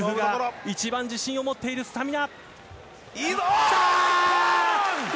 ウルフが一番自信を持っているスタミナ。